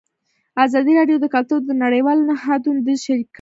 ازادي راډیو د کلتور د نړیوالو نهادونو دریځ شریک کړی.